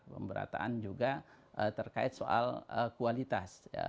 pemberataan juga terkait soal kualitas